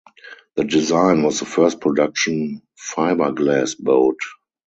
The design was the first production fiberglass boat.